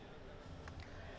dan juga sesuatu yang baru